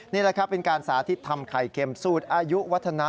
นี่แหละครับเป็นการสาธิตทำไข่เค็มสูตรอายุวัฒนะ